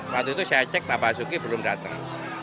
waktu itu saya cek pak basuki belum datang